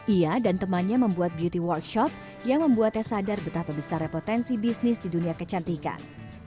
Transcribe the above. ia dan temannya membuat beauty workshop yang membuatnya sadar betapa besar repotensi bisnis di dunia kecantikan